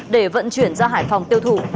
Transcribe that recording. để vận chuyển ra hải phòng tiêu thụ